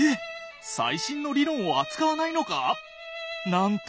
最新の理論を扱わないのか！？なんて